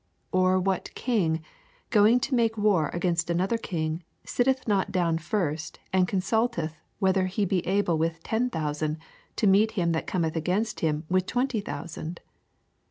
81 Or what king, going to make war against another kin^, sitteth not down first, and consultetn whether he be able with ten thousand to meet him that cometh againat him with twenty thousand